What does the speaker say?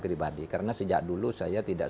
pribadi karena sejak dulu saya tidak